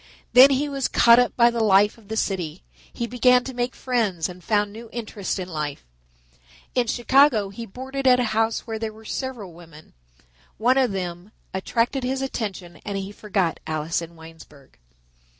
Then he was caught up by the life of the city; he began to make friends and found new interests in life. In Chicago he boarded at a house where there were several women. One of them attracted his attention and he forgot Alice in Winesburg.